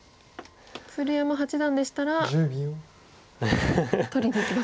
鶴山八段でしたら取りにいきますか？